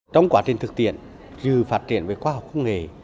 trong quá trình thực tiện dự phát triển về khoa học công nghệ